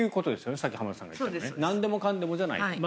さっき浜田さんが言ったのはなんでもかんでもじゃない。